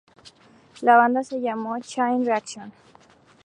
La banda se llamó Chain Reaction.